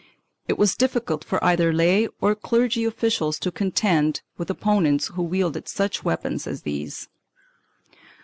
1 It was difficult for either lay or clerical officials to contend with opponents who wielded such weapons as these.